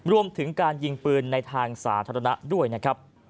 รวมถึงการยิงปืนในทางสาธารณะด้วยนะครับ